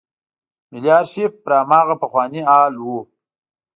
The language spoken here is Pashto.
ملي آرشیف پر هماغه پخواني حال و.